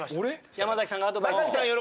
山崎さんがアドバイス。